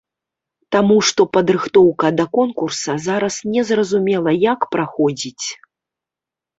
Таму што падрыхтоўка да конкурса зараз незразумела як праходзіць!